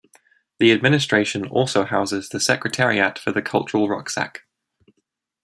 The administration also houses the secretariat for The Cultural Rucksack.